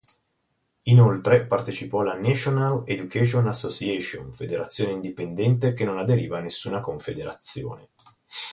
Inoltre partecipò la National Education Association federazione indipendente che non aderiva a nessuna confederazione.